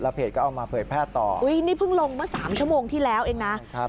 เพจก็เอามาเผยแพร่ต่ออุ้ยนี่เพิ่งลงเมื่อสามชั่วโมงที่แล้วเองนะครับ